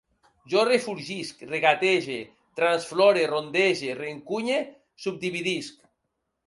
Jo refulgisc, regatege, transflore, rondege, reencunye, subdividisc